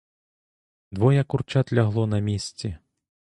Двоє курчат лягло на місці.